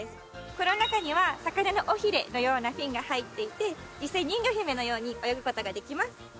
この中には魚の尾ヒレのようなフィンが入っていて実際人魚姫のように泳ぐ事ができます。